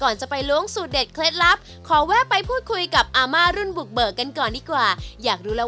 จะไปล้วงสูตรเด็ดเคล็ดลับขอแวะไปพูดคุยกับอาม่ารุ่นบุกเบิกกันก่อนดีกว่าอยากรู้แล้ว